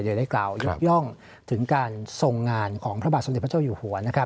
ได้กล่าวยกย่องถึงการทรงงานของพระบาทสมเด็จพระเจ้าอยู่หัว